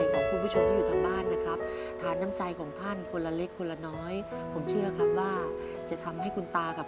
ขอบคุณมากครับขอขอบคุณครับคุณครอบครับ